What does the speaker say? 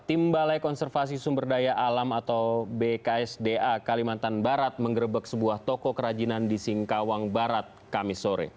tim balai konservasi sumber daya alam atau bksda kalimantan barat menggerebek sebuah toko kerajinan di singkawang barat kamisore